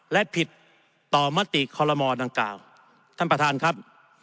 และผิดต่อมติคอลโลมอดังกล่าวท่านประธานครับ